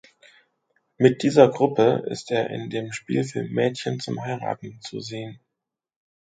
Mit dieser Gruppe ist er in dem Spielfilm Mädchen zum Heiraten zu sehen.